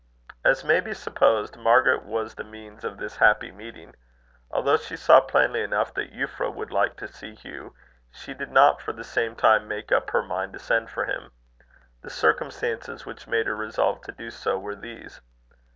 As may be supposed, Margaret was the means of this happy meeting. Although she saw plainly enough that Euphra would like to see Hugh, she did not for some time make up her mind to send for him. The circumstances which made her resolve to do so were these.